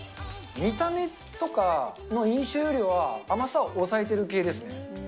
見た目とかの印象よりは、甘さは抑えてる系ですね。